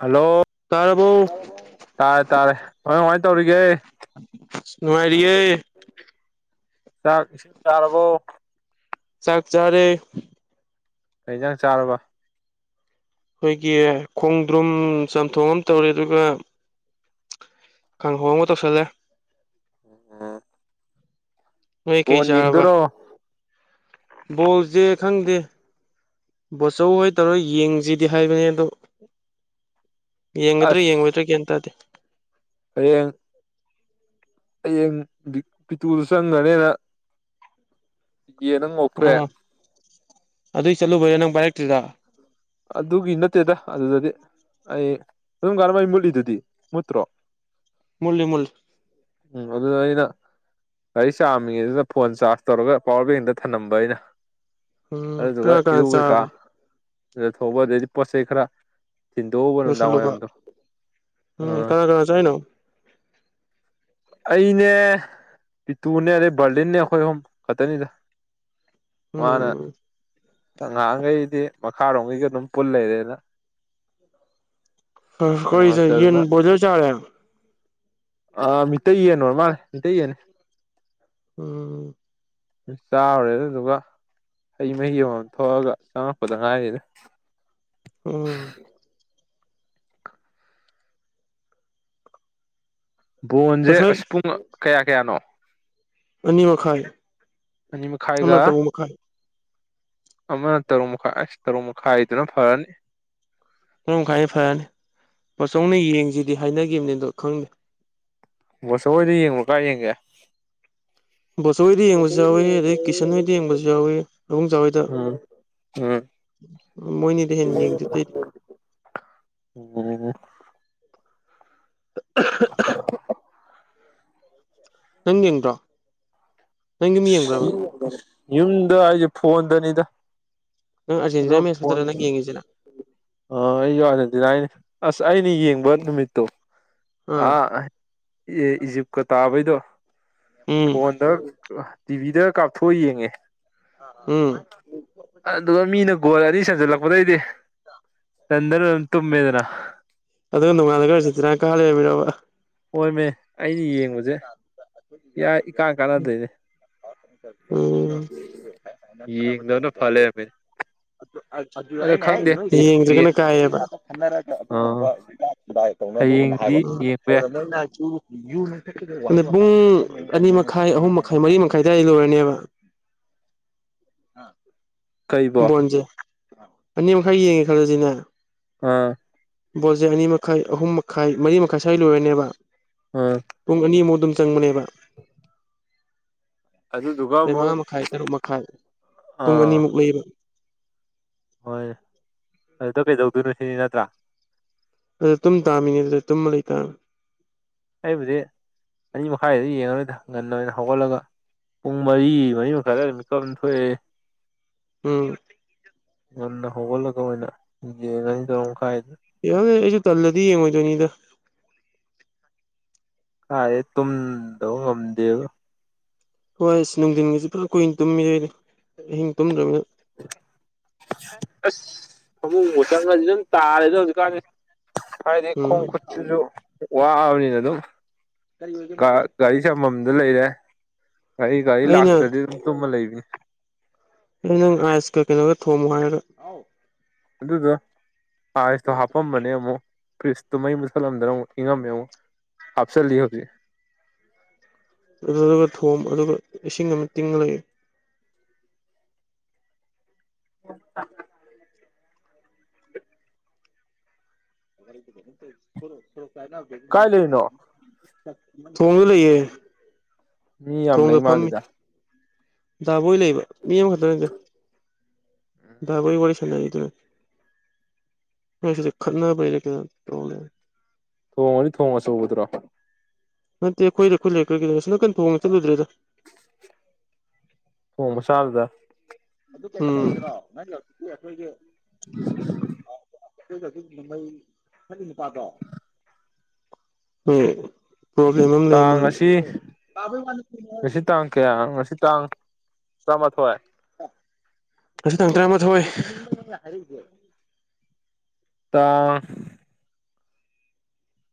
Hello ꯇꯥꯔꯕꯣ ꯇꯥꯔꯦ ꯇꯥꯔꯦ ꯍꯃꯥꯏ ꯀꯃꯥꯏꯅ ꯇꯧꯔꯤꯒꯦ ꯅꯨꯡꯉꯥꯏꯔꯤꯌꯦ ꯆꯥꯛ ꯏꯁꯤꯡ ꯆꯥꯔꯕꯣ ꯆꯥꯛ ꯆꯥꯔꯦ ꯀꯩ ꯖꯥꯡ ꯆꯥꯔꯕ ꯑꯩꯈꯣꯏꯒꯤ ꯈꯣꯡꯗ꯭ꯔꯨꯝ ꯆꯝꯊꯣꯡ ꯑꯃ ꯇꯧꯔꯦ ꯑꯗꯨꯒ ꯀꯥꯡꯍꯧ ꯑꯃꯒ ꯇꯧꯁꯜꯂꯦ ꯑ [unintelligible] ꯅꫭꯏ ꯀꯩ ꯆꯥꯔꯕ ꯕꯣꯜꯖꯦ ꯈꯪꯗꯦ ꯕꯣꯠꯆꯧ ꯍꯣꯏ ꯇꯧꯔ ꯌꯦꯡꯖꯤꯗꯤ ꯍꯥꯏꯕꯅꯦ ꯑꯗꯣ ꯌꯦꯡꯒꯗ꯭ꯔ ꯑꯁ ꯌꯦꯡꯉꯣꯏꯗ꯭ꯔ ꯒ꯭ꯌꯥꯟ ꯇꯥꯗꯦ ꯍꯌꯦꯡ ꯍꯌꯦꯡ ꯄꯤꯇꯨꯗꯨ ꯆꯪꯈ꯭ꯔꯅꯤꯅ ꯌꯦꯟ ꯑꯃ ꯎꯝ ꯉꯧꯊꯣꯛꯑꯦ ꯑꯗꯨꯏ ꯆꯠꯂꯨꯕꯩꯔꯥ ꯅꯪ ꯄꯥꯏꯔꯛꯇ꯭ꯔꯤꯗꯣ ꯑꯗꯨꯒꯤ ꯅꯠꯇꯦꯗ ꯑꯗꯨꯗꯗꯤ ꯑꯩ ꯑꯗꯨꯝ ꯀꯔꯕꯥꯏ ꯃꯨꯠꯂꯤꯗꯨꯗꯤ ꯃꯨꯠꯇ꯭ꯔꯣ ꯃꯂꯤ ꯃꯜ ꯎꯝ ꯑꯗꯨ ꯑꯗꯨ ꯑꯩꯅ ꯒꯥꯔꯤ ꯆꯥꯝꯃꯤꯉ ꯑꯗꯨꯅ ꯐꯣꯟ ꯆꯥꯔꯖ ꯇꯧꯔꯒ ꯄꯋꯥꯔ ꯕꯦꯡꯗ ꯊꯝꯂꯝꯕ ꯑꯩꯅ ꯎꯝ ꯑꯗꯨꯗꯨꯒ ꯀꯅꯥ ꯀꯅꯥ ꯏꯔꯨꯀꯩꯀꯥ ꯆꯥꯔꯕ ꯑꯗ ꯊꯧꯕ ꯑꯗꯩꯗꯤ ꯄꯣꯠ ꯆꯩꯩ ꯈꯔ ꯊꯤꯟꯗꯣꯛꯎꯕ ꯅꯨꯡꯗꯥꯡꯋꯥꯏꯔꯝꯗꯣ ꯑꯥ ꯥꯀꯅꯥ ꯆꯥꯏꯅꯣ ꯑꯩꯅꯦ ꯄꯤꯇꯨꯅꯦ ꯑꯗꯩ ꯕꯔꯂꯤꯟꯅꯦ ꯑꯩꯈꯣꯏ ꯑꯍꯨꯝ ꯈꯛꯇꯅꯤꯗ ꯃꯥꯅ ꯎꯝ ꯉꯍꯥꯟꯈꯩꯗꯤ ꯃꯈꯥꯔꯣꯝꯈꯩꯒ ꯑꯗꯨꯝ ꯄꯨꯜ ꯂꯩꯔꯦꯅ ꯑ ꯍꯣꯏꯗ ꯅꯨꯡꯉꯥꯏꯇꯗꯅ ꯌꯦꯟ ꯕꯣꯏꯂꯔ ꯆꯥꯔꯦ ꯑ ꯃꯤꯇꯩ ꯌꯦꯟ ꯑꯣꯏꯔꯥ ꯃꯜꯂꯦ ꯎꯟ ꯃꯟꯅꯦ ꯃꯩꯇꯩ ꯌꯦꯟꯅꯤ ꯎꯝ ꯆꯥꯎꯔꯨꯔꯦ ꯑꯗꯨꯗꯨꯒ ꯍꯩ ꯃꯍꯤ ꯑꯃꯃꯝ ꯊꯣꯛꯑꯒ ꯆꯪꯉꯛꯄꯗ ꯉꯥꯏꯔꯤꯗ ꯎꯝ [inaudible] ꯕꯣꯟꯁꯦ ꯑ ꯉꯁꯥꯏ ꯄꯨꯡ ꯀꯌꯥ ꯀꯌꯥꯅꯣ ꯑꯅꯤ ꯃꯈꯥꯏ ꯑꯅꯤ ꯃꯈꯥꯏꯒ ꯑꯃꯅ ꯇꯔꯨꯛ ꯃꯈꯥꯏ ꯑꯃꯅ ꯇꯔꯨꯛ ꯃꯈꯥꯏ ꯑꯁ ꯇꯔꯨꯛ ꯃꯈꯥꯏꯗꯨꯅ ꯐꯔꯅꯤ ꯃꯔꯔꯝ ꯃꯈꯥꯏꯅ ꯐꯔꯅꯤ ꯄꯆꯧꯅ ꯌꯦꯡꯁꯤꯗꯤ ꯍꯥꯏꯅꯈꯤꯕꯅꯤ ꯑꯣ ꯈꯪꯗꯦ ꯕꯥꯆꯧ ꯍꯣꯏꯗ ꯌꯦꯡꯕ꯭ꯔꯣ ꯀꯥꯏ ꯌꯦꯡꯒꯦ ꯕꯣꯁꯣ ꯍꯣꯏꯗ ꯌꯦꯡꯕꯁꯨ ꯌꯥꯎꯏꯤ ꯑꯗꯩ ꯀꯤꯁꯟ ꯍꯣꯏꯗ ꯌꯦꯡꯕꯁꯨ ꯌꯥꯎꯏ ꯂꯕꯨꯡ ꯖꯥ ꯍꯣꯏꯗ ꯎꯝ ꯎꯝ ꯃꯣꯏꯅꯤꯗꯩ ꯍꯦꯟꯅ ꯌꯦꯡꯗꯦꯗ ꯑꯩꯗꯤ ꯎꯝ [unintelligible] ꯅꯪ ꯌꯦꯡꯕ꯭ꯔꯣ ꯌꯨꯝꯗ ꯑꯩꯁꯦ ꯐꯣꯟꯗꯅꯤꯗ ꯅꯪ ꯑꯔꯖꯦꯟꯇꯤ ꯃꯦꯠꯁꯈꯛꯇꯔꯥ ꯅꯪ ꯌꯦꯉꯤꯁꯤꯅ? ꯑ ꯑꯩꯖꯨ ꯑꯥꯔꯖꯦꯟꯇꯤꯅꯥꯅꯤ ꯑꯁ ꯑꯩꯅ ꯌꯦꯡꯕ ꯅꯨꯃꯤꯠꯇꯣ ꯑꯥ ꯑꯦ ꯏꯖꯤꯞꯀ ꯇꯥꯕꯩꯗꯣ ꯎꯝ ꯐꯣꯟꯗ ꯇꯤꯕꯤꯗꯒ ꯀꯥꯞꯊꯣꯛꯑ ꯌꯦꯡꯉꯦ꯫ ꯎꯝ ꯑꯗꯨꯒ ꯃꯤꯅ ꯒꯣꯜ ꯑꯅꯤ ꯆꯟꯖꯜꯂꯛꯄꯗꯩꯗꯤ ꯇꯟꯗꯅ ꯑꯗꯨꯝ ꯇꯨꯝꯃꯤꯃꯦꯗꯅ ꯑꯗꯨꯒ ꯅꯣꯡꯉꯥꯜꯂꯒ ꯑꯔꯖꯦꯟꯇꯤꯅꯥꯅ ꯀꯥꯔ ꯂꯩꯔꯝꯃꯤꯔꯕ? ꯍꯣꯏ ꯃꯤ ꯑꯩꯅ ꯌꯦꯡꯕꯖꯦ ꯏꯀꯥꯟ ꯀꯥꯟꯅꯗꯦꯅꯦ꯫ ꯥꯎꯝ ꯌꯦꯡꯗꯕꯅ ꯐ ꯂꯩꯔꯝꯃꯦꯅꯦ [unintelligible] ꯑꯗꯣ ꯑꯩꯅ ꯈꯪꯗꯦ ꯍꯦꯛ ꯍꯌꯦꯡꯒꯤ ꯌꯦꯡꯗꯔꯒꯅ ꯀꯥꯏꯌꯦꯕ ꯈꯠꯅꯔꯒ ꯑꯥ ꯑꯗꯨꯒꯨꯝꯕ ꯀꯗꯥꯏ ꯇꯧꯅꯅꯨꯅ ꯍꯌꯦꯡꯗꯤ ꯍꯥꯏꯕ ꯌꯦꯡꯕ ꯌꯥꯏ ꯑ ꯄꯨꯡ ꯑꯅꯤ ꯃꯈꯥꯏ ꯑꯍꯨꯝ ꯃꯈꯥꯏ ꯃꯔꯤ ꯃꯈꯥꯏ ꯑꯗꯨ꯭ꯋꯥꯏꯗ ꯂꯣꯏꯔꯅꯦꯕ ꯀꯩꯕꯣ ꯕꯣꯟꯁꯦ ꯑꯅꯤ ꯃꯈꯥꯏ ꯌꯦꯡꯉꯦ ꯈꯜꯂꯁꯤꯅꯦ ꯑꯥ ꯕꯣꯜꯁꯦ ꯑꯅꯤ ꯃꯈꯥꯏ ꯑꯍꯨꯝ ꯃꯈꯥꯏ ꯃꯔꯤ ꯃꯈꯥꯏ ꯁ꯭ꯋꯥꯏ ꯂꯣꯏꯔꯅꯦꯕ ꯎꯝ ꯄꯨꯡ ꯑꯅꯤꯃꯨꯛ ꯑꯗꯨꯝ ꯆꯪꯕꯅꯦꯕ ꯑꯗꯨꯗꯨꯒ ꯁꯦ ꯑꯃꯨꯛ ꯃꯪꯉꯥ ꯃꯈꯥꯏ ꯇꯔꯨꯛ ꯃꯈꯥꯏ ꯄꯨꯡ ꯑꯥ ꯑꯅꯤꯃꯨꯛ ꯂꯩꯌꯦꯕ ꯍꯣꯏ ꯑꯗꯨꯗ ꯀꯩꯗꯧꯗꯣꯏꯅꯣ ꯁꯤꯅꯤ ꯅꯠꯇ꯭ꯔꯥ ꯑꯗꯨ ꯇꯨꯝ ꯇꯥꯃꯤꯅꯦ ꯑꯗꯨꯗ ꯇꯨꯝꯃ ꯂꯩꯇꯥꯥꯕ ꯑꯩꯕꯨꯗꯤ ꯑꯅꯤ ꯃꯈꯥꯏꯒꯤꯗꯨ ꯌꯦꯡꯉꯔꯣꯏꯗ ꯉꯟꯅ ꯑꯣꯏꯅ ꯍꯧꯒꯠꯂꯒ ꯄꯨꯡ ꯃꯔꯤ ꯃꯔꯤ ꯃꯈꯥꯏ ꯑꯗꯥꯏꯗ ꯃꯤꯀꯞ ꯑꯗꯨꯝ ꯊꯣꯛꯑꯦ ꯎꯝ ꯉꯟꯅ ꯍꯧꯒꯠꯂꯒ ꯑꯣꯏꯅ ꯌꯦꯡꯉꯅꯤ ꯇꯔꯨꯛ ꯃꯈꯥꯏꯗ꯫ [unintelligible] ꯑꯩꯖꯖ ꯇꯜꯂꯗꯤ ꯌꯦꯡꯉꯣꯏꯗꯨꯏꯅꯤꯗ꯫ ꯀꯥꯏꯗꯩ ꯇꯨꯝꯗꯕ ꯉꯝꯗꯦꯕ꯫ ꯍꯣꯏ ꯑꯁ ꯅꯨꯡꯊꯤꯟꯒꯤꯁꯤ ꯄꯨꯂꯞ ꯀꯨꯏꯅ ꯇꯨꯝꯃꯤꯗꯣꯏꯅꯦ ꯑꯍꯤꯡ ꯇꯨꯝꯗ꯭ꯔꯅꯤꯅ꯫ ꯑꯁ! ꯐꯃꯨꯡꯕꯨ ꯃꯇꯪꯒꯁꯤ ꯑꯗꯨꯝ ꯇꯥꯔꯦꯗ ꯍꯧꯖꯤꯛꯀꯥꯟꯗꯤ꯫ ꯍꯥꯏꯗꯤ ꯎꯝ ꯈꯣꯡ ꯈꯨꯠꯁꯤꯖꯨ ꯋꯥꯕꯅꯤꯅ ꯑꯗꯨꯝ ꯒꯥ ꯒꯥꯔꯤ ꯑꯩ ꯑꯃꯃꯝꯗ ꯂꯩꯔꯦ ꯑꯩ ꯒꯥꯔꯤ ꯑꯩꯅ ꯂꯥꯛꯇ꯭ꯔꯗꯤ ꯑꯗꯨꯝ ꯇꯨꯝꯃ ꯂꯩꯕꯅꯤ ꯅꯪ ꯑꯥꯏꯁ ꯀ ꯀꯩꯅꯣꯒ ꯊꯣꯝꯃꯨ ꯍꯥꯏꯔꯒ꯫ ꯑꯗꯨꯗꯣ ꯑꯥꯏꯁꯇꯣ ꯍꯥꯞꯄꯝꯕꯅꯦ ꯑꯃꯨꯛ ꯐ꯭ꯔꯤꯁꯇꯨꯃꯩ ꯃꯨꯊꯠꯂꯝꯗꯅ ꯑꯃꯨꯛ ꯏꯪꯉꯝꯃꯦ ꯑꯃꯨꯛ ꯍꯥꯞꯆꯜꯂꯤ ꯍꯧꯖꯤꯛ꯫ ꯑꯗꯨꯗꯨ ꯊꯣꯝꯃꯨ ꯑꯗꯨꯒ ꯏꯁꯤꯡ ꯑꯃ ꯇꯤꯡꯉ ꯂꯩ [unintelligible] [unintelligible] ꯀꯥꯏ ꯂꯩꯔꯤꯅꯣ? ꯊꯣꯡꯗ ꯂꯩꯌꯦ꯫ ꯃꯤ ꯌꯥꯝ ꯊꯣꯡꯗ ꯂꯩ ꯐꯝꯃꯤ ꯃꯥꯜꯂꯤꯗ ꯗꯥꯕꯣꯏ ꯂꯩꯕ꯭ꯔꫭ ꯃꯤ ꯑꯃꯈꯛꯇ ꯅꯤꯗ꯫ ꯗꯥꯕꯣꯏ ꯋꯥꯔꯤ ꯁꯥꯟꯅꯒꯤꯗꯣꯏꯔꯣ ꯃꯣꯏ ꯁꯤꯗꯥ ꯈꯠꯅꯕꯩꯔ ꯀꯩꯅꯣ ꯇꯧ ꯂꯩꯔꯦ꯫ ꯊꯣꯡ ꯑꯗꯤ ꯊꯣꯡ ꯑꯆꯧꯕꯗꯨꯔꯣ? ꯅꯠꯇꯦ ꯑꯈꫭꯏꯗ ꯑꯈꯣꯏ [unintelligible] ꯑꯁꫭꯝꯅꯀꯟ ꯊ ꯊꯣꯡ ꯆꯠꯂꯨꯗ꯭ꯔꯦꯗ ꯊꯣꯡ ꯃꯆꯥꯗꯨꯗ ꯎꯝ [unintelligible] [unintelligible] [unintelligible] ꯎꯝ ꯄ꯭ꯔꯣꯕꯂꯦꯝ ꯑꯝ ꯇꯥꯡ ꯂꯩꯕ ꯉꯁꯤ ꯃꯥꯟꯕ ꯉꯁꯤ ꯇꯥꯡ ꯀꯌꯥ ꯉꯁꯤ ꯇꯥꯡ ꯇꯔꯥꯃꯥꯊꯣꯏ ꯉꯁꯤ ꯇꯥꯡ ꯇꯔꯥꯃꯥꯊꯣꯏ ꯇꯥꯡ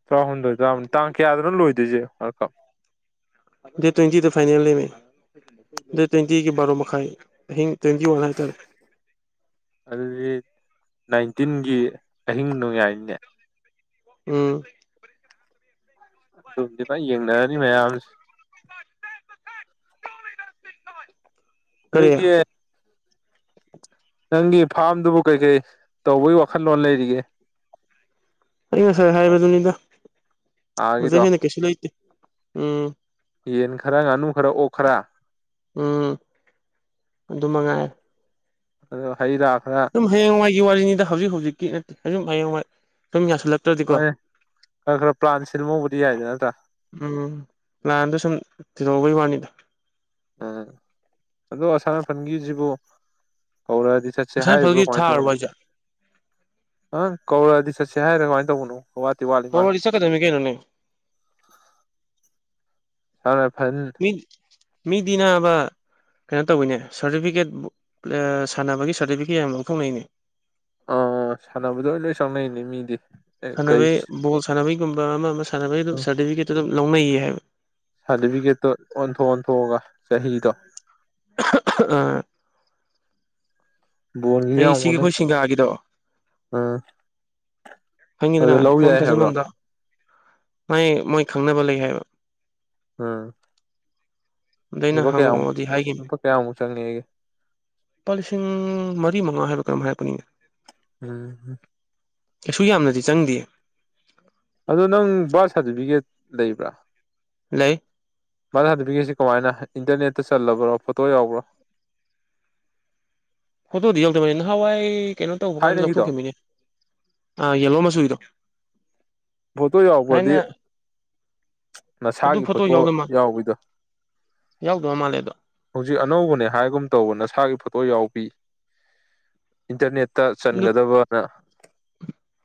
ꯇꯔꯥꯍꯨꯝꯗꯣꯏ ꯇꯥꯔꯥꯃꯔꯤ ꯇꯥꯡ ꯀꯌꯥꯗꯅꯣ ꯂꯣꯏꯗꯣꯏꯖꯦ ꯋ꯭ꯔꯥꯜꯗ ꯀꯞ? ꯗ‌ꯦꯠ ꯇ꯭ꯋ‌ꯦꯟꯇꯤꯗꯨ ꯐꯥꯏꯅ‌ꯦꯜ ꯅ‌ꯦꯃ‌ꯦ ꯗ‌ꯦꯠ ꯇ꯭ꯋꯦꯟꯇꯤꯒꯤ ꯕꯥꯔꯣ ꯃꯈꯥꯏ ꯑꯍꯤꯡ ꯇ꯭ꯋꯦꯟꯇꯤ ꯋꯥꯟ ꯍꯥꯏꯇꯥꯔꯦ ꯑꯗꯨꯗꯤ ꯅꯥꯏꯟꯇꯤꯟꯒꯤ ꯑꯍꯤꯡ ꯅꯣꯡꯌꯥꯥꯏꯅꯤꯅꯦ ꯎꯝ ꯑꯗꯨꯝꯗꯤ ꯐꯟ ꯌꯦꯡꯅꯔꯅꯤ ꯃꯌꯥꯝꯁ‌ꯦ ꯀꯔꯤ ꯅꯣꯏꯒꯤ ꯅꯪꯒꯤ ꯐꯥꯔꯝꯗꯨꯕꯨ ꯀꯩꯀꯩ ꯇꯧꯕꯒꯤ ꯋꯥꯈꯜꯂꯣꯟ ꯂꯩꯔꯤꯒꯦ ꯑꯩ ꯉꯁꯥꯏ ꯍꯥꯏꯕꯗꯨꯅꯤꯗ ꯑꯧꯗꯩꯩ ꯑꯥꯒꯤꯗꯣ ꯍꯦꯟꯅ ꯀꯩꯁꯨ ꯂꯩꯇꯦ ꯎꯝ꯫ ꯌꯦꯟ ꯈꯔ ꯉꯥꯅꯨ ꯈꯔ ꯑꯣꯛ ꯈꯔ ꯎꯝ ꯑꯗꯨ ꯃꯉꯥꯏ ꯑꯗꯨ ꯍꯩꯔꯥꯈ꯭ꯔ ꯑꯗꯨꯝ ꯍꯌꯦꯡꯅꯨꯡꯋꯥꯏꯒꯤ ꯋꯥꯔꯤꯅꯤꯗ ꯍꯧꯖꯤꯛ ꯍꯧꯖꯤꯛꯀꯤ ꯅꯠꯇꯦ ꯑꯗꯨꯝ ꯍꯌꯦꯡꯋꯥꯏ ꯁꯝ ꯌꯥꯁꯤꯜꯂꯛꯄ ꯍꯣꯏꯅꯦ ꯈꯔ - ꯈꯔ ꯄ꯭ꯂꯥꯟ ꯁꯤꯍꯧꯕꯗꯤ ꯌꯥꯏꯗ ꯅꯠꯇ꯭ꯔꯥ꯫ ꯎꯝ ꯄ꯭ꯂꯥꯟꯗꯣ ꯁꯨꯝ ꯊꯤꯔꯣꯛꯕꯒꯤ ꯋꯥꯅꯤꯗ꯫ ꯎꯝ ꯑꯗꯣ ꯑꯁꯥꯝ ꯔꯥꯏꯐꯟꯒꯤꯖꯤꯕꯨ ꯀꯧꯔꯛꯑꯗꯤ ꯆꯠꯁ‌ꯦ ꯑꯁꯥꯏ ꯍꯥꯏꯔꯤꯕ꯭ꯔꯣ ꯐꯜꯒꯤ ꯀꯃꯥꯏ ꯊꯥꯔꯕꯣ ꯇꯧꯕꯅꯣ ꯍꯥꯏꯁꯦ ꯑꯪ ꯀꯧꯔꯛꯗꯤ ꯆꯠꯁꯦ ꯍꯥꯏꯔꯥ ꯀꯃꯥꯏꯅ ꯇꯧꯕꯅꯣ ꯋꯥꯠꯇꯤ ꯋꯥꯠꯂꯤ ꯃꯥꯜꯂ‌ꯦ [unintelligible] ꯀꯩꯅ‌ꯣꯅꯦ ꯁꯥꯝ ꯔꯥꯏꯐꯟ ꯃꯤ ꯃꯤꯗꯤ ꯅꯥꯕ ꯀꯩꯅꯣ ꯇꯧꯋꯤꯅꯦ ꯁꯥꯔꯇꯤꯐꯤꯀꯦꯠ ꯑꯥ ꯁꯥꯟꯅꯕꯒꯤ ꯁꯥꯔꯇꯤꯐꯤꯀꯦꯠ ꯌꯥꯝ ꯂꯧꯊꯣꯛꯅꯩꯅꯦ ꯑ ꯁꯥꯟꯅꯕꯗ ꯂ‌ꯣꯏ ꯆꯪꯅꯩꯅꯦ ꯃꯤꯗꯤ ꯑꯦ ꯀꯩ ꯁꯥꯟꯅꯕꯩ ꯕꯣꯜ ꯁꯥꯟꯅꯕꯩꯒꯨꯝꯕ ꯑꯃ ꯑꯃ ꯁꯥꯟꯅꯕꯒꯤ ꯑꯗꯨꯝ ꯁꯥꯔꯇꯤꯐꯤꯀꯦꯠꯇꯨ ꯑꯗꯨꯝ ꯂꯧꯅꯩꯌꯦ ꯍꯥꯏ ꯁꯥꯔꯇꯤꯐꯤꯀꯦꯠꯇꯣ ꯑꯣꯟꯊꯣꯛ ꯑꯣꯟꯊꯣꯛꯑꯒ ꯆꯍꯤꯗꯣ [unintelligible] ꯕꯣꯟꯒꯤꯁꯨ ꯑꯩ ꯌꯥꯝ ꯁꯤꯒꯤ ꯑꯣꯟꯅꯩ ꯈꯣꯏ ꯁꯤꯡꯒꯥꯒꯤꯗꯣ ꯎꯝ ꯑꯗꯨ ꯈꯪꯉꯤꯗꯅ ꯂꯧ ꯐꯣꯝ ꯌꯥꯏ ꯍꯥꯏꯕ꯭ꯔꯣ ꯊꯥꯖꯤꯟꯕꯝꯗ‌ꯣ ꯃꯥꯏ ꯃꯣꯏ ꯈꯪꯅꯕ ꯂꯩ ꯍꯥꯏꯕ ꯑꯥ ꯑꯗ ꯑꯩꯅ ꯍꯪꯉꯛꯑꯣꯗꯤ ꯍꯥꯏꯈꯤꯝ ꯂꯨꯄꯥ ꯀꯌꯥꯃꯨꯛ ꯆꯪꯉꯦꯒꯦ ꯂꯨꯄꯥ ꯂꯤꯁꯤꯡ ꯃꯔꯤ ꯃꯉꯥ ꯍꯥꯏꯕ꯭ꯔ ꯀꯩꯅ‌ꯦꯝ ꯍꯥꯏꯔꯛꯄꯅꯤꯅ‌ ꯎꯝ ꯀꯩꯁꯨ ꯌꯥꯝꯅꯗꯤ ꯆꯪꯗꯤꯌ‌ꯦ ꯑꯗꯣ ꯅꯪ ꯕꯥꯔꯊ ꯁꯥꯔꯇꯤꯐꯤꯀꯦꯠ ꯂꯩꯕ꯭ꯔꯥ ꯂꯩ ꯕꯥꯔꯊ ꯁꯥꯔꯇꯤꯐꯤꯀ‌ꯦꯠꯁꯤ ꯀꯃꯥꯏꯅ ꯏꯟꯇꯔꯅꯦꯠꯇ ꯆꯜꯂꯕ꯭ꯔꯣ ꯐꯣꯇꯣ ꯌꯥꯎꯕ꯭ꯔꯣ ꯐꯣꯇꯣꯗꯤ ꯌꯧꯗꯕꯅꯤ ꯅꯍꯥꯟꯋꯥꯏ ꯀꯩꯅꯣ ꯇꯧꯕ ꯀꯥꯟꯗ ꯊꯥꯏꯅꯒꯤꯗꯣ ꯂꯧꯊꯣꯛꯈꯤꯝꯅꯤꯅꯦ ꯑꯥ ꯌꯦꯂꯣ ꯃꯆꯨꯒꯤꯗꯣ ꯐꯣꯇꯣ ꯌꯥꯎꯕꯗꯤ ꯊꯥꯏꯅ ꯑꯗꯨ ꯅꯁꯥꯒꯤ ꯐꯣꯇꯣ ꯌꯥꯎꯗꯕ ꯃꯥ ꯌꯥꯎꯕꯤꯗꯣ ꯌꯥꯎꯗꯕ ꯃꯥꯜꯂꯦ ꯑꯗꯣ ꯍꯧꯖꯤꯛ ꯑꯅꯧꯕꯅꯦ ꯍꯥꯏꯒꯨꯝ ꯇꯧꯕ ꯅꯁꯥꯒꯤ ꯐꯣꯇꯣ ꯌꯥꯎꯕꯤ ꯏꯟꯇꯔꯅꯦꯠꯇ ꯑꯗꯨ ꯆꯟꯒꯗꯕꯅ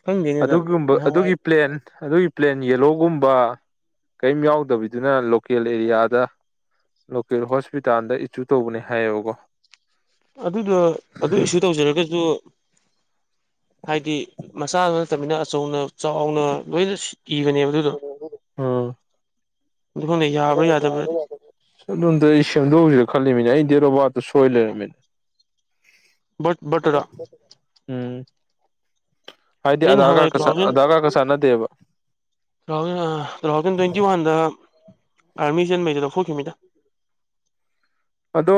ꯈꯪꯗꯦꯅꯦꯗ ꯑꯗꯨꯒꯨꯝꯕ ꯅꯍꯥꯟꯋꯥꯏ ꯑꯗꯨꯒꯤ ꯄ꯭ꯂꯦꯟ ꯑꯗꯨꯒꯤ ꯄ꯭ꯂꯦꯟ ꯌꯦꯂꯣꯒꯨꯝꯕ ꯀꯔꯤꯝ ꯌꯥꯎꯗꯕꯤꯗꯨꯅ ꯂꯣꯀꯦꯜ ꯑꯦꯔꯤꯌꯥꯗ ꯂꯣꯀꯦꯜ ꯍꯣꯁꯄꯤꯇꯥꯜꯗ ꯏꯆꯨ ꯇꯧꯕꯅꯦ ꯍꯥꯏꯌꯦꯕꯀꯣ ꯑꯗꯨꯗꯣ ꯑꯗꯨ ꯏꯁꯨ ꯇꯧꯖꯔꯒꯁꯨ ꯍꯥꯏꯗꯤ ꯃꯆꯥ ꯑꯃ ꯅꯠꯇꯕꯤꯅ ꯑꯆꯧꯅ ꯆꯥꯎꯅ ꯂꯣꯏꯅ ꯏꯕꯅꯦꯕ ꯑꯗꯨꯗꯣ ꯑꯗꯨ ꯈꯪꯗꯦ [unintelligible] ꯌꯥꯕ꯭ꯔꯥ ꯌꯥꯗꯕ꯭ꯔꯥꯗꯤ ꯑꯗꯨꯝꯇ ꯑꯩ ꯁꯦꯝꯗꯣꯛꯎꯁꯤꯔ ꯈꯜꯂꯤꯃꯤꯅꯦ ꯑꯩ ꯗ‌ꯦꯠ ꯑꯣꯞ ꯕꯥꯠꯇꯣ ꯁꯣꯏ ꯂꯩꯔꯝꯃ‌ꯦ [unintelligible] ꯎꯝ ꯍꯥꯏꯗꯤ ꯑꯩ ꯑꯙꯥꯔ ꯅꯍꯥꯟꯋꯥꯏ ꯀꯥꯔꯀ ꯇꯨ ꯊꯥꯎꯖꯟ ꯑꯙꯥꯔ ꯀꯥꯔꯠꯀ ꯆꯥꯟꯅꯗꯦꯕ two thousand two thousand twenty ꯋꯥꯟꯗ ꯑꯥꯔꯃꯤ ꯆ‌ꯦꯟꯕꯩꯗ ꯂꯧꯊ‌ꯣꯛꯈꯤꯝꯃꯤꯗ ꯑꯗꯣ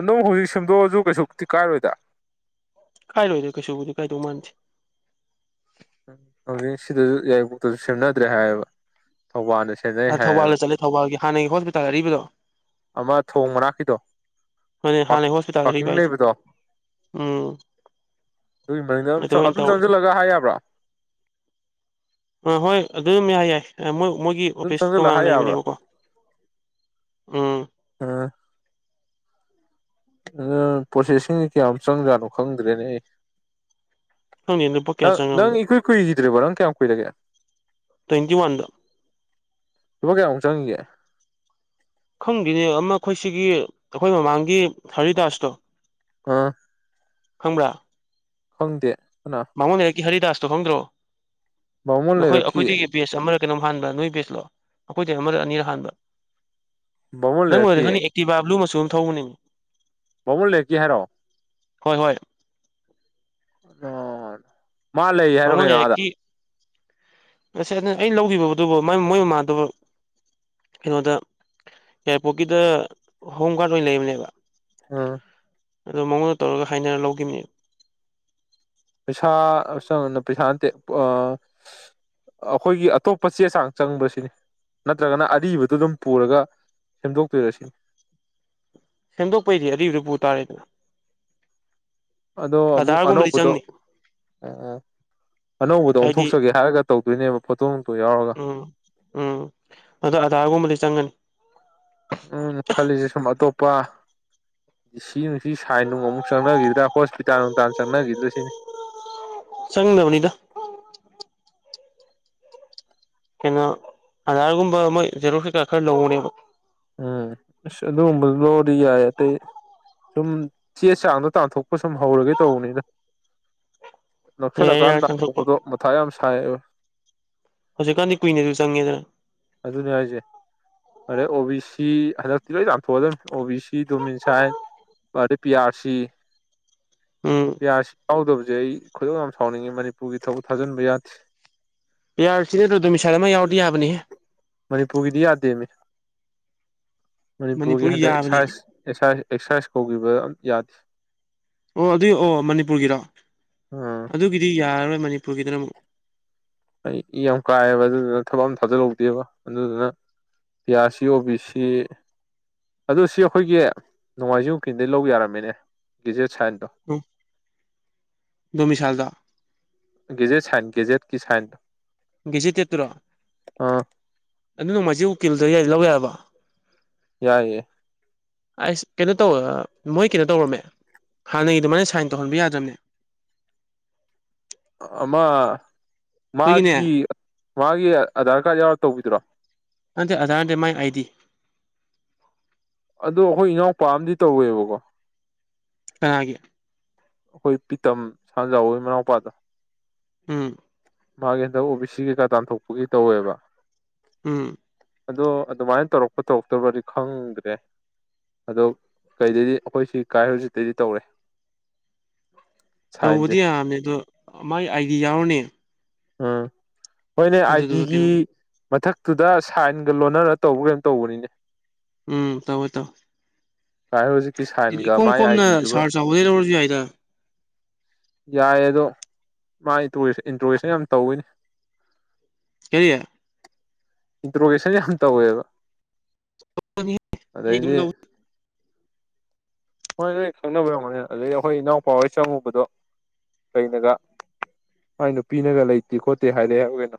ꯑꯗꯨꯝ ꯍꯧꯖꯤꯛ ꯁꯦꯝꯗꯣꯛꯑꯁꯨ ꯀꯩꯁꯨꯕꯨꯗꯤ ꯀꯥꯏꯔꯣꯏꯗ ꯀꯥꯏꯔꯣꯏꯗ ꯀꯩꯁꯨꯕꯨꯗꯤ ꯀꯥꯏꯗꯧ ꯃꯥꯟꯗꯦ ꯎ ꯍꯧꯖꯤꯛ ꯁꯤꯗꯁꯨ ꯌꯥꯏꯔꯤꯄꯣꯛꯇꯁꯨ ꯁꯦꯝꯅꯗ꯭ꯔꯦ ꯍꯥꯏꯌꯦꯕ ꯊꯧꯕꯥꯜꯗ ꯁꯦꯝꯅꯩ ꯑꯥ ꯍꯥꯏꯌꯦꯕ ꯊꯧꯕꯥꯜꯗ ꯆꯠꯂꯦ ꯊꯧꯕꯥꯜꯒꯤ ꯍꯥꯟꯅꯒꯤ ꯍꯣꯁꯄꯤꯇꯥꯜꯗ ꯑꯔꯤꯕꯗꯣ ꯑꯃ ꯊꯣꯡ ꯃꯅꯥꯛꯀꯤꯗꯣ ꯍꯣꯢꯅꯦ ꯍꯥꯟꯅꯩ ꯍꯣꯁꯄꯤꯇꯥꯜ ꯄꯥꯔꯀꯤꯡ ꯑꯔꯤꯕ ꯍꯥꯢꯁꯦ ꯂꯩꯕꯗꯣ ꯑꯗꯨꯒꯤ ꯃꯅꯤꯡꯗ ꯑꯗꯨꯝ ꯆꯪ ꯆꯪꯖꯜꯂꯒ ꯍꯥꯏ ꯌꯥꯕ꯭ꯔꯣ ꯑꯥ ꯍꯣꯏ ꯑꯗꯨꯝ ꯌꯥꯏ ꯌꯥꯏ ꯃꯣꯏ ꯃꯣꯏꯒꯤ ꯑꯗꯨꯝ ꯑꯣꯐꯤꯁ ꯆꯪꯁꯤꯜꯂ ꯇꯣꯉꯥꯟꯅ ꯍꯥꯏ ꯌꯥꯕ꯭ꯔꯥ ꯂꯩꯕꯅꯦꯕꯀꯣ ꯎꯝ ꯑ ꯑꯥ ꯄ꯭ꯔꯣꯁꯦꯁꯤꯡꯁꯦ ꯀꯌꯥꯃꯨꯛ ꯆꯪꯖꯥꯠꯅꯣ ꯈꯪꯗ꯭ꯔꯦꯅꯦ ꯑꯩ ꯈꯪꯗ‌ꯦ ꯅꯨꯄꯥ ꯅꯪ ꯅꯪ ꯏꯀꯨꯏ ꯀꯨꯏꯈꯤꯗ꯭ꯔꯤꯕ ꯅꯪ ꯀꯌꯥꯝ ꯀꯨꯏꯔꯒꯦ ꯇ꯭ꯋꯦꯟꯤ ꯋꯥꯟꯗ ꯂꯄꯥ ꯀꯌꯥꯃꯨꯛ ꯆꯪꯒꯤꯒꯦ ꯈꯪꯗꯦꯅꯦ ꯑꯃ ꯑꯩꯈꯣꯏ ꯁꯤꯒꯤ ꯑꯩꯈꯣꯏ ꯃꯃꯥꯡꯒꯤ ꯍꯔꯤꯗꯥꯁꯇꯣ ꯑ ꯈꯪꯕ꯭ꯔꯥ ꯈꯪꯗꯦ ꯀꯅꯥ ꯕꯥꯃꯣꯟ ꯂꯩꯔꯛꯀꯤ ꯍꯔꯤꯗꯥꯁꯇꯣ ꯈꯪꯗ꯭ꯔꯣ ꯕꯥꯃꯣꯟ ꯅꯈꯣꯏ ꯂꯩꯔꯛꯀꯤ ꯑꯩꯈꯣꯏꯗꯒꯤ ꯕꯦꯁ ꯑꯃꯔ ꯀꯩꯅꯣꯝ ꯍꯥꯟꯕ ꯅꯣꯏ ꯕꯦꯖꯂꯣ ꯑꯩꯈꯣꯏꯗꯩ ꯑꯃꯔ ꯑꯅꯤꯔ ꯍꯥꯟꯕ ꯕꯥꯃꯣꯟ ꯅꯪ ꯎꯔꯗꯤ ꯂꯩꯔꯛꯀꯤ ꯈꯪꯅꯤ ꯑꯦꯛꯇꯤꯚꯥ ꯕ꯭ꯂꯨ ꯃꯆꯨ ꯑꯗꯨꯝ ꯊꯧꯕꯅꯤ ꯕꯥꯃꯣꯟ ꯂꯩꯔꯛꯀꯤ ꯍꯥꯏꯔꯣ ꯍꯣꯏ ꯍꯣꯏ [unintelligible] ꯃꯥ ꯂꯩ ꯍꯥꯏꯔꯣ ꯕꯥꯃꯣꯟ ꯀꯩꯅꯣ ꯑꯥꯗ ꯂꯩꯔꯛꯀꯤ ꯑꯩꯅ ꯂꯨꯒꯤꯕꯗꯨꯕꯨ ꯃꯣꯏ ꯃꯃꯥꯗꯨꯕ ꯀꯩꯅꯣꯗ ꯌꯥꯢꯔꯤꯄꯣꯔꯠꯀꯤꯗ ꯍꯣꯝ ꯒꯥꯔꯗ ꯑꯣꯏꯅ ꯂꯩꯕꯅꯦꯕ ꯑ ꯑꯗꯨ ꯃꯉꯣꯟꯗ ꯇꯧꯔ ꯍꯥꯏꯅꯔ ꯂꯧꯒꯤꯕꯅꯦꯕ ꯄꯩꯁꯥ [unintelligible] ꯄꯩꯁꯥ ꯅꯠꯇꯦ ꯑꯥ ꯑꯩꯈꯣꯏꯒꯤ ꯑꯇꯣꯞꯄ ꯆꯦ ꯆꯥꯡ ꯆꯪꯕ꯭ꯔꯥ ꯁꯤꯅꯤ ꯅꯠꯇ꯭ꯔꯒꯅ ꯑꯔꯤꯕꯗꯨꯝ ꯄꯨꯔꯒ ꯁꯦꯝꯗꯣꯛ ꯇꯣꯢꯔꯁꯤꯅꯤ ꯁꯦꯝꯗꯣꯛꯄꯩꯗꯤ ꯑꯔꯤꯕꯗꯨ ꯄꯨ ꯇꯥꯔꯦꯗꯅ ꯑꯗꯣ ꯑꯃꯨꯛ ꯑꯙꯥꯔꯒꯨꯝꯕꯗꯤ ꯑꯅꯧꯕꯗꯣ ꯑꯣ ꯆꯪꯅꯤ ꯑꯣ ꯑꯅꯧꯕꯗ ꯍꯥꯏꯗꯤ ꯑꯣꯟꯊꯣꯛꯆꯒꯦ ꯍꯥꯏꯔꯒ ꯇꯧꯗꯣꯏꯅꯦꯕ ꯐꯣꯇꯣ ꯅꯨꯡꯇꯣ ꯌꯥꯎꯔꯒ ꯎꯝ ꯎꯝ ꯑꯗꯨ ꯑꯘꯥꯔꯒꯨꯝꯕꯗꯤ ꯆꯪꯒꯅꯤ ꯑꯩꯅ ꯈꯜꯂꯤꯁꯦ ꯁꯨꯝ ꯑꯇꯣꯞꯄ ꯗꯤ ꯁꯤ ꯅꯨꯡ ꯁꯤ ꯁꯥꯏꯟ ꯅꯨꯡ ꯑꯃꯨꯛ ꯆꯪꯅꯒꯤꯗ꯭ꯔꯥ ꯍꯣꯁꯄꯤꯇꯥꯜ ꯅꯨꯡꯇꯥꯜ ꯆꯪꯅꯒꯤꯗ꯭ꯔꯥ ꯁꯤꯅꯤ ꯆꯪꯗꯕꯅꯤꯗ ꯀꯩꯅꯣ ꯑꯥꯙꯥꯔꯒꯨꯝꯕ ꯃꯣꯏ ꯖꯦꯔꯣꯛꯁ ꯀꯩꯀꯥ ꯈꯔ ꯂꯧꯕꯅꯦꯕ ꯎꯝ ꯑꯁ ꯛꯗꯨꯒꯨꯝꯕ ꯂꯧꯔꯗꯤ ꯌꯥꯢ ꯑꯇꯩ ꯁꯨꯝ ꯆꯦ ꯆꯥꯡꯗꯣ ꯇꯥꯟꯊꯣꯛꯄ ꯁꯨꯝ ꯍꯧꯔꯒꯦ ꯇꯧꯕꯅꯤꯗ ꯑꯦ ꯅꯛꯁꯜꯂꯀꯥꯟ ꯌꯥꯔ ꯆꯪꯊꯣꯛꯄ ꯇꯥꯟꯊꯣꯛꯄꯗꯣ ꯃꯊꯥ ꯌꯥꯝ ꯁꯥꯏꯕ ꯍꯧꯖꯤꯛꯀꯥꯟꯗꯤ ꯀꯨꯏꯅꯩꯖꯨ ꯆꯪꯉꯦꯗꯅ ꯑꯗꯨꯅꯦ ꯍꯥꯏꯖꯦ ꯑꯗꯩ ꯑꯣ ꯕꯤ ꯁ ꯁꯤ ꯍꯟꯗꯛꯇꯤ ꯂꯣꯏ ꯇꯥꯟꯊꯣꯛꯑꯗꯝꯅꯤ ꯑꯣ ꯕꯤ ꯁꯤ ꯗꯣꯃꯤꯟꯁꯥꯏꯟ ꯗꯤ ꯄꯤ ꯌꯥꯔ ꯁꯤ ꯎꯝ ꯄꯤꯌꯥꯔ ꯁꯤ ꯌꯥꯎꯗꯕꯁꯦ ꯑꯩ ꯈꯨꯣꯢꯗꯧ ꯌꯥꯝ ꯁꯥꯎꯅꯤꯡꯉꯤ ꯃꯅꯤꯄꯨꯔꯒꯤ ꯊꯕꯛ ꯊꯥꯖꯤꯟꯕ ꯌꯥꯗꯦ ꯄꯤ ꯑꯥꯔ ꯁꯤ ꯅꯠꯇ ꯗꯣꯃꯤꯁꯥꯏ ꯑꯃ ꯌꯥꯎꯗꯤ ꯌꯥꯕꯅꯤꯍꯦ ꯃꯅꯤꯄꯨꯔꯒꯤꯗꯤ ꯌꯥꯗꯦꯃꯤ ꯃꯅꯤꯄꯨꯔꯒꯤ ꯃꯅꯤꯄꯨꯔ ꯍꯟꯗꯛ ꯌꯥꯕꯅꯦꯕ ꯑꯦꯛꯁꯔ [unintelligible] ꯀꯧꯈꯤꯕ ꯑꯝꯇꯥ ꯌꯥꯗꯦ ꯑꯣ ꯑꯗꯨꯏ ꯑꯣ ꯃꯅꯤꯄꯨꯔꯒꯤꯔꯣ ꯎꯝ ꯑꯗꯨꯒꯤꯗꯤ ꯌꯥꯔꯔꯣꯏ ꯃꯅꯤꯄꯨꯔꯒꯤꯗꯅ ꯑꯃꯨꯛ ꯑꯩ ꯏ ꯌꯥꯝ ꯀꯥꯏꯑꯦꯕ ꯑꯗꯨꯗꯨꯅ ꯊꯕꯛ ꯑꯃ ꯊꯥꯖꯤꯜꯍꯧꯗꯦꯕ ꯑꯗꯨꯗꯨꯅ ꯄꯤ ꯑꯥ ꯁꯤ ꯑꯣ ꯕꯤ ꯁꯤ ꯑꯗꯣ ꯁꯤ ꯑꯩꯈꯣꯏꯒꯤ ꯅꯣꯡꯃꯥꯏꯖꯤꯡꯀꯤꯡꯗꯩ ꯂꯧꯕ ꯌꯥꯔꯝꯃꯤꯅꯦ ꯒꯦꯖꯦꯠ ꯁꯥꯏꯟꯗꯣ ꯎ ꯗꯣꯃꯤꯁꯜꯗ ꯒꯦꯖꯦꯠ ꯁꯥꯏꯟ ꯒꯦꯖꯦꯠꯀꯤ ꯁꯥꯏꯟ ꯒꯦꯖꯦꯇꯦꯠꯇꯨꯔꯣ ꯑꯥ ꯑꯗꯨ ꯅꯣꯡꯃꯥꯏꯖꯤꯢ ꯎꯀꯤꯜꯗ ꯂꯧ ꯌꯥꯔꯕꯣ ꯌꯥꯏꯌꯦ ꯑꯁ ꯀꯩꯅꯣ ꯇꯧ ꯃꯣꯏ ꯀꯩꯅꯣ ꯇꯧꯔꯝꯃꯦ ꯍꯥꯟꯅꯩ ꯑꯗꯨꯃꯥꯏꯟ ꯁꯥꯏꯟ ꯇꯧꯍꯟꯕ ꯌꯥꯗ꯭ꯔꯝꯃꯦ ꯑꯃ ꯑꯩꯈꯣꯏꯒꯤꯅꯦ ꯃꯥꯒꯤ ꯃꯥꯒꯤ ꯑꯙꯥꯔ ꯀꯥꯔꯗ ꯌꯥꯎꯔ ꯇꯧꯕꯤꯗꯨꯔꯣ ꯅꯠꯇꯦ ꯑꯙꯥꯔꯗ ꯅꯠꯇꯦ ꯃꯥꯥꯏ ꯑꯥꯏ ꯗꯤ ꯑꯗꯣ ꯑꯩꯈꯣꯏ ꯏꯅꯥꯎꯄꯥ ꯑꯃꯗꯤ ꯇꯧꯋꯦꯕꯀꯣ ꯀꯅꯥꯒꯤ ꯑꯩꯈꯣꯏ ꯄꯤꯇꯝ ꯁꯥꯟꯖꯥꯎꯣꯏ ꯃꯅꯥꯎꯄꯥꯗ ꯎꯝ ꯃꯥꯒꯤ ꯍꯟꯗꯛ ꯑꯣ ꯕꯤ ꯁꯤ ꯀꯩꯀꯥ ꯇꯥꯟꯊꯣꯛꯄꯒꯤ ꯇꯧꯋꯦꯕ ꯎꯝ ꯑꯗꯣ ꯑꯗꯨꯃꯥꯏꯅ ꯇꯧꯔꯛꯄ ꯇꯧꯔꯛꯇꯕ꯭ꯔꯗꯤ ꯈꯪꯗ꯭ꯔꯦ ꯑꯗꯣ ꯀꯩꯗꯩꯗꯤ ꯑꯩꯈꯣꯏ ꯁꯤ ꯀꯥꯏ ꯍꯧꯖꯤꯠꯇꯗꯤ ꯇꯧꯔꯦ ꯇꯧꯕꯗꯤ ꯁꯥꯏꯟꯁꯦ ꯌꯥꯕꯅꯦ ꯑꯗꯣ ꯃꯥꯏ ꯑꯥꯏ ꯗꯤ ꯌꯥꯎꯔꯅꯤ ꯎꯝ ꯍꯣꯏꯅꯦ ꯑꯗꯨꯗꯨꯒ ꯑꯥꯏꯗꯤꯒꯤ ꯀꯩꯅꯣ ꯃꯊꯛꯇꯨꯗ ꯁꯥꯏꯟꯒ ꯂꯣꯟꯅꯔ ꯇꯧꯕ꯭ꯔ ꯀꯩꯅꯣꯝ ꯇꯧꯕꯅꯤꯅꯦ ꯎꯝ ꯇꯋꯦ ꯇꯧ [unintelligible] ꯏꯀꯣꯝ ꯃꯥꯏ ꯀꯣꯝꯅ ꯑꯥꯏꯗꯤꯗꯨꯒ ꯁꯥꯔ ꯆꯥꯎꯕꯗꯩ ꯂꯧꯔꯁꯨ ꯌꯥꯏꯗ ꯌꯥꯏ ꯑꯗꯣ ꯃꯥ [unintelligible] ꯏꯟꯇꯔꯦꯁꯟ ꯌꯥꯝ ꯇꯧꯋꯤꯅꯦ ꯀꯔꯤ ꯏꯟꯇ꯭ꯔꯣꯒꯦꯁꯟ ꯌꯥꯝ ꯇꯧꯋꯦꯕ ꯑꯩ ꯑꯗꯨꯝ ꯑꯗꯩꯗꯤ ꯂꯧ ꯍꯣꯏ ꯈꯪꯅꯕ ꯌꯥꯝꯒꯅꯤ ꯑꯗꯩ ꯑꯩꯈꯣꯏ ꯏꯅꯥꯎꯄꯥꯍꯣꯏ ꯆꯪꯉꯨꯕꯗꯣ ꯂꯩꯅꯒ ꯍꯥꯏ ꯅꯨꯄꯤꯅꯒ ꯂꯩꯇꯦ ꯈꯣꯠꯇꯦ ꯍꯥꯏꯔꯦ ꯍꯥꯏꯕ ꯀꯩꯅꯣ